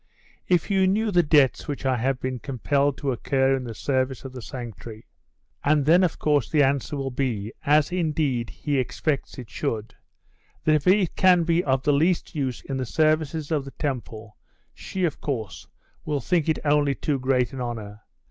if you knew the debts which I have been compelled to incur in the service of the sanctuary! " And then of course the answer will be, as, indeed, he expects it should, that if it can be of the least use in the service of the Temple, she, of course, will think it only too great an honour....